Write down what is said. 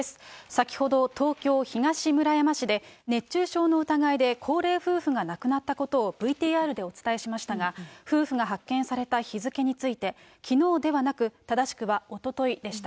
先ほど東京・東村山市で、熱中症の疑いで高齢夫婦が亡くなったことをＶＴＲでお伝えしましたが、夫婦が発見された日付についてきのうではなく、正しくはおとといでした。